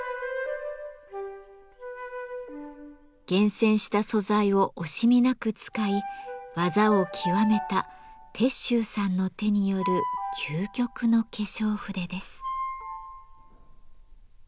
厳選した素材を惜しみなく使い技を極めた鉄舟さんの手による究極の化粧筆です。